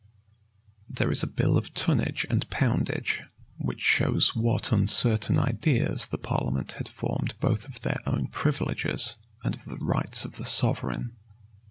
There is a bill of tonnage and poundage, which shows what uncertain ideas the parliament had formed both of their own privileges and of the rights of the sovereign.